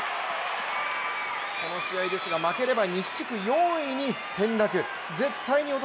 この試合ですが負ければ西地区４位に転落。